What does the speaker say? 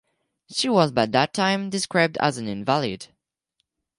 She was by that time described as an invalid.